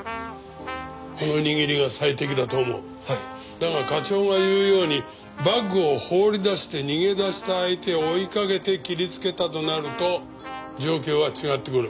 だが課長が言うようにバッグを放り出して逃げ出した相手を追いかけて切りつけたとなると状況は違ってくる。